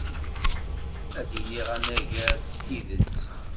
Ad d-iniɣ anagar tidet.